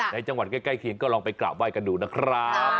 ในจังหวัดใกล้เคียงก็ลองไปกราบไห้กันดูนะครับ